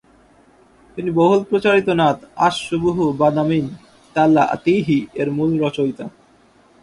তিনি বহুল প্রচারিত নাত "আস-সুবুহু বাদা মিন তালা'আতিহি" এর মূল রচয়িতা।